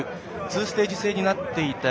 ２ステージ制になっていた